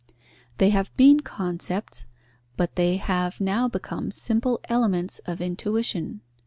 They have been concepts, but they have now become simple elements of intuition.